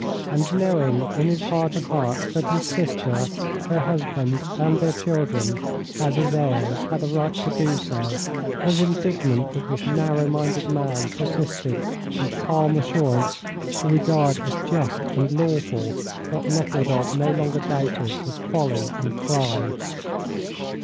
And knowing in his heart of hearts that his sister, her husband, and their children, as his heirs, had a right to do so, was indignant that this narrow minded man persisted with calm assurance to regard as just and lawful what Nekhludoff no longer doubted was folly and crime.